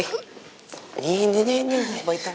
ini ini ini boy tenag baik ya pa